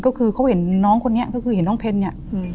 ก็คือเขาเห็นน้องคนนี้ก็คือเห็นน้องเพนเนี่ย